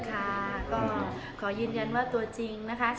ค่ะก็ขอยืนยันว่าตัวจริงนะคะ